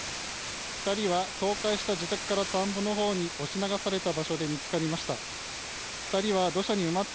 ２人は倒壊した自宅から田んぼのほうに押し流された場所で見つかりました。